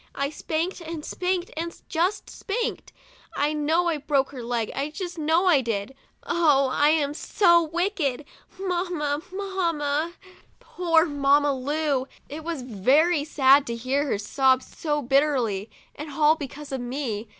I spanked and spanked and just spanked ! I know I broke her leg, I just know I did. Oh, I'm so wicked! Mamma, mamma!" 73 THE DIARY OF A BIRTHDAY DOLL Poor Mamma Lu ! It was very sad to hear her sob so bitterly, and all because of me.